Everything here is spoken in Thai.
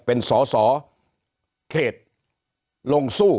เป็นสอสอเขตลงสู้